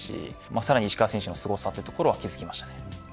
さらに石川選手のすごさに気付きました。